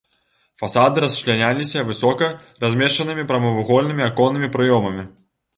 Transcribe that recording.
Фасады расчляняліся высока размешчанымі прамавугольнымі аконнымі праёмамі.